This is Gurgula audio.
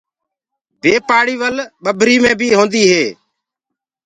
بي پآڙيِ ول ٻڀري مي بي هوندي هي۔